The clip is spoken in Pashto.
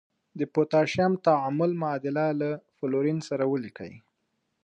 د پوتاشیم تعامل معادله له فلورین سره ولیکئ.